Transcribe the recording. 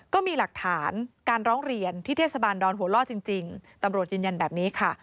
ก็มีหลักฐานการร้องเรียนที่เทศบาลดอนหัวล่อจริงตำรวจยืนยันแบบนี้ค่ะ